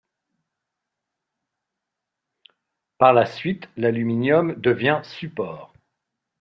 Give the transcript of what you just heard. Par la suite, l’aluminium devient support.